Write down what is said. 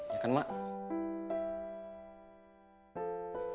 ya kan mak